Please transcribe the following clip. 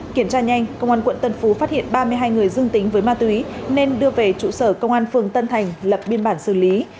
kiểm tra nhanh công an quận tân phú phát hiện ba mươi hai người dương tính với ma túy nên đưa về trụ sở công an phường tân thành lập biên bản xử lý